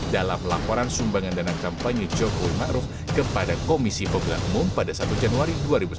dalam laporan sumbangan dana kampanye jokowi maruf kepada komisi poblansi